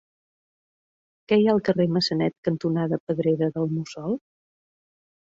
Què hi ha al carrer Massanet cantonada Pedrera del Mussol?